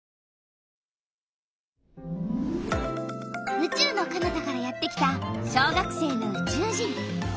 うちゅうのかなたからやってきた小学生のうちゅう人。